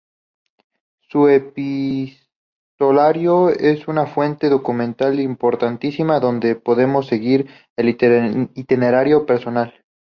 Su epistolario es una fuente documental importantísima, donde podemos seguir el itinerario personal.